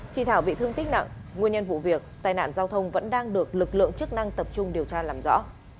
chị thảo bị thương tích nặng nguyên nhân vụ việc tai nạn giao thông vẫn đang được lực lượng chức năng tập trung điều tra làm rõ